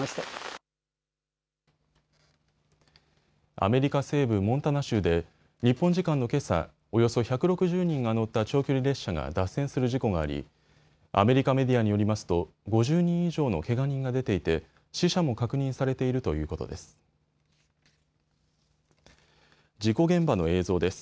アメリカ西部モンタナ州で日本時間のけさ、およそ１６０人が乗った長距離列車が脱線する事故がありアメリカメディアによりますと５０人以上のけが人が出ていて死者も確認されているということです。